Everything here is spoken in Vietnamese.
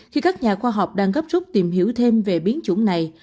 khi các nhà khoa học đang gấp rút tìm hiểu thêm về biến chủng này